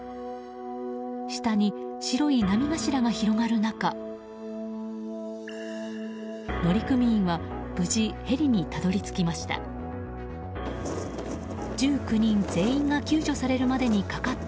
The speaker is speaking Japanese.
下に白い波頭が広がる中乗組員は無事、ヘリにたどり着きました。